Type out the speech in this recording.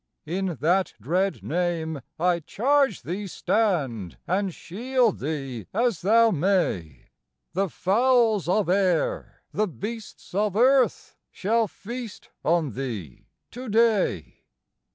"In that dread name I charge thee stand, and shield thee as thou may; The fowls of air, the beasts of earth shall feast on thee to day."